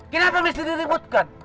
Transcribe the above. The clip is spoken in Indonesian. kenapa mesti diributkan